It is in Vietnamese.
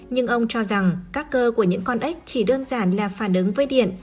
nhưng ông cho rằng các cơ của những con ếch chỉ đơn giản là phản ứng với điện